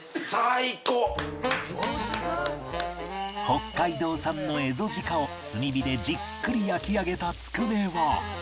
北海道産のエゾジカを炭火でじっくり焼き上げたつくねは